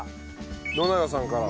野永さんから。